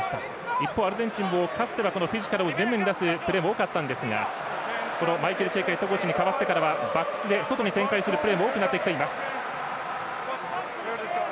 一方、アルゼンチンは以前はフィジカルを全面に出すプレーも多かったんですがマイケル・チェイカヘッドコーチに代わってからはバックスで外に展開するプレーも多くなってきています。